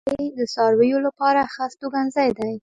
• غونډۍ د څارویو لپاره ښه استوګنځای دی.